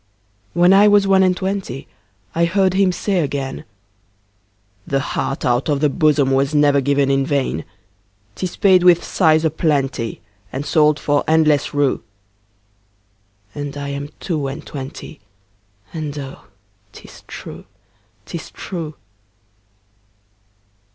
When I was one and twentyI heard him say again,'The heart out of the bosomWas never given in vain;'Tis paid with sighs a plentyAnd sold for endless rue.'And I am two and twenty, And oh, 'tis true, 'tis true.